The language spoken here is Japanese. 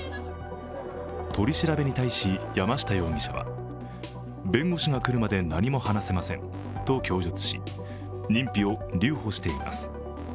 取り調べに対し、山下容疑者は弁護士が来るまで何も話せませんと供述し認否を留保しています。